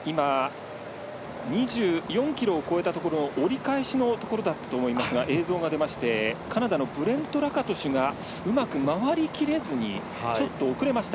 ２４ｋｍを超えたところ折り返しのところだったと思うんですが映像が出まして、カナダのブレント・ラカトシュがうまく回りきれずにちょっと遅れました。